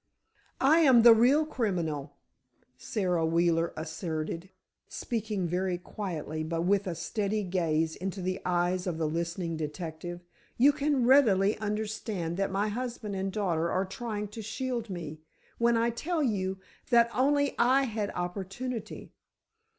"I am the real criminal," Sara Wheeler asserted, speaking very quietly but with a steady gaze into the eyes of the listening detective. "You can readily understand that my husband and daughter are trying to shield me, when I tell you that only I had opportunity.